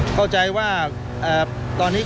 เข้าใจว่าตอนนี้